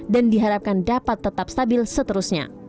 dan diharapkan dapat tetap stabil seterusnya